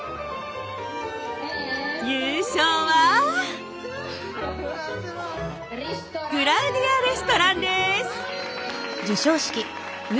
優勝はクラウディアレストランです！